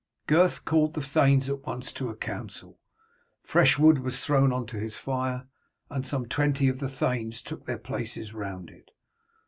Gurth called the thanes at once to a council. Fresh wood was thrown on to his fire, and some twenty of the thanes took their places round it.